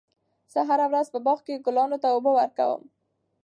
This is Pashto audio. زه هره ورځ په باغ کې ګلانو ته اوبه ورکوم.